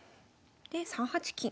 で３八金。